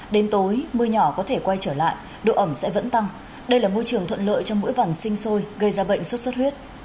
đến tối mưa nhỏ có thể quay trở lại độ ẩm sẽ vẫn tăng đây là môi trường thuận lợi cho mũi vằn sinh sôi gây ra bệnh sốt xuất huyết